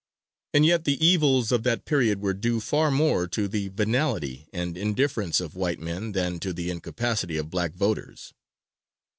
And yet the evils of that period were due far more to the venality and indifference of white men than to the incapacity of black voters.